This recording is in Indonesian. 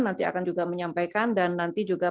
nanti akan juga menyampaikan dan nanti juga